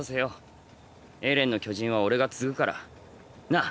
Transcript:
エレンの巨人は俺が継ぐから。なぁ？